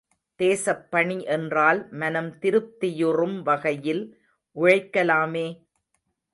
தேசப் பணி என்றால் மனம் திருப்தியுறும் வகையில் உழைக்கலாமே!